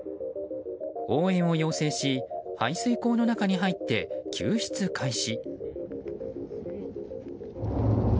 応援を要請し排水溝の中に入って救出開始。